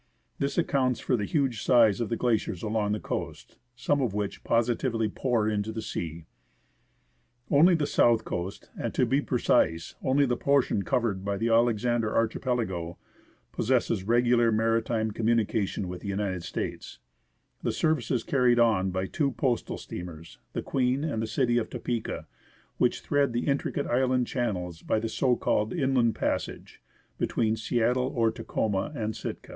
This accounts for the huge size of the glaciers along the coast, some of which positively pour into the sea. Only the south coast, and, to be precise, only the portion covered by the Alexander Archipelago, possesses regular maritime communication with the United States, The service is carried on by two postal steamers, the Queen and the City of Topeka, which thread the intricate island channels by the so called " Inland Passage," between Seattle (or Tacoma) and Sitka.